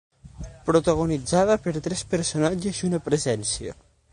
Protagonitzada per tres personatges i una presència.